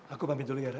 aku pamit dulu ya ra